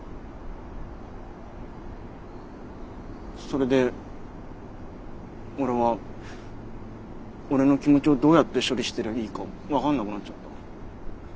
それで俺は俺の気持ちをどうやって処理したらいいか分かんなくなっちゃった。